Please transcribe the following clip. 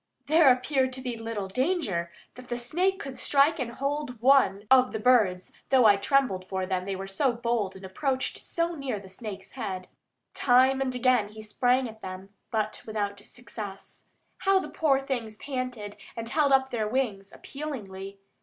There appeared to be little danger that the snake could strike and hold one of the birds, though I trembled for them, they were so bold and approached so near to the snake's head. Time and again he sprang at them, but without success. How the poor things panted, and held up their wings appealingly!